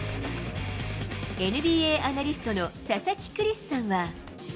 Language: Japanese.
ＮＢＡアナリストの、佐々木クリスさんは。